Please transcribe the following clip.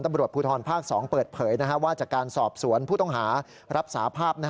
ตำรวจภูทรภาค๒เปิดเผยว่าจากการสอบสวนผู้ต้องหารับสาภาพ